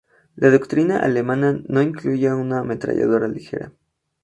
La doctrina alemana no incluía una ametralladora ligera.